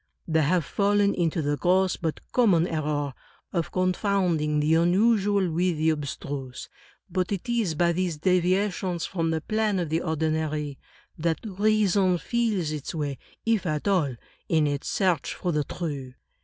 They have fallen into the gross but common error of con founding the unusual with the abstruse. But it is by these deviations from the plane of the ordinary that reason feels its way, if at all, in its search for the true.